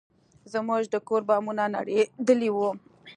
زموږ د کور بامونه نړېدلي وو.